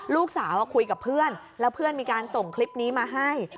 ลูกสาวคุยกับเพื่อนแล้วเพื่อนมีการส่งคลิปนี้มาให้